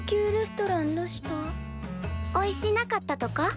おいしなかったとか？